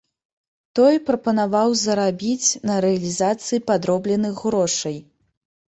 Той прапанаваў зарабіць на рэалізацыі падробленых грошай.